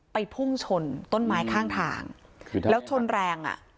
พุ่งชนต้นไม้ข้างทางแล้วชนแรงอ่ะ